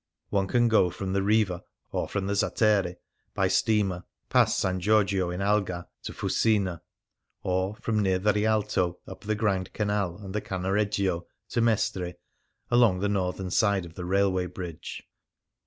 One can go from the Riva or from the Zattere by steamer, past S. Giorgio in Alga, to Fusina ; or from near the Rial to up the Grand Canal and the Cannareggio to Mestre, along the northern side of the railway bridge.